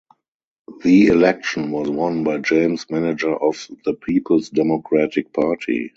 The election was won by James Manager of the Peoples Democratic Party.